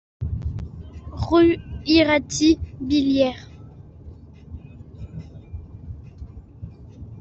Rue Iraty, Billère